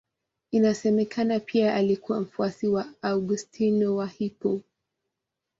Inasemekana pia alikuwa mfuasi wa Augustino wa Hippo.